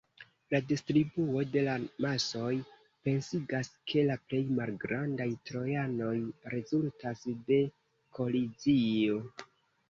La distribuo de la masoj pensigas, ke la plej malgrandaj trojanoj rezultas de kolizio.